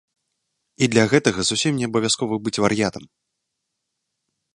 І для гэтага зусім неабавязкова быць вар'ятам.